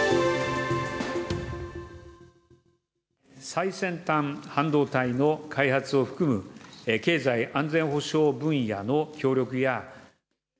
最先端半導体の開発を含む経済安全保障分野の協力や。